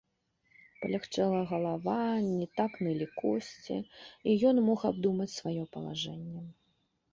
Палягчэла галава, не так нылі косці, і ён мог абдумаць сваё палажэнне.